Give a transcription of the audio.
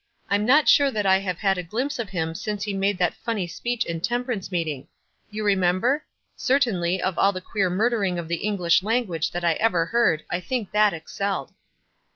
I'm not sure that I have had a glimpse of him since he made that funny speech in temperance meeting. You remember? Certainly of all the queer 74 WISE AND OTHERWISE. murdering of the English language that I ever heard I think that excelled."